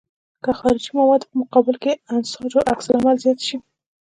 که د خارجي موادو په مقابل کې د انساجو عکس العمل زیات شي.